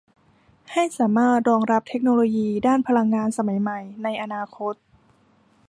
ให้สามารถรองรับเทคโนโลยีด้านพลังงานสมัยใหม่ในอนาคต